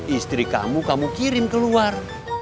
istri kamu kamu kirim keluar